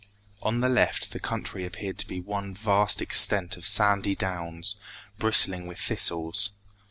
On the left, the country appeared to be one vast extent of sandy downs, bristling with thistles.